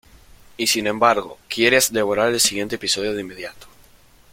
Y, sin embargo, quieres devorar el siguiente episodio de inmediato".